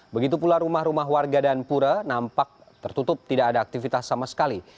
begitu pula rumah rumah warga dan pura nampak tertutup tidak ada aktivitas sama sekali